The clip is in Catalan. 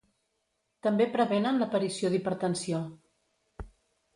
També prevenen l'aparició d'hipertensió.